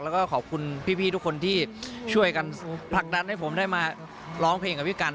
แล้วก็ขอบคุณพี่ทุกคนที่ช่วยกันผลักดันให้ผมได้มาร้องเพลงกับพี่กัน